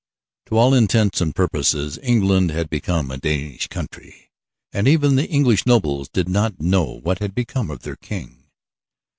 To all intents and purposes England had become a Danish country and even the English nobles did not know what had become of their King.